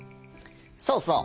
そうそう。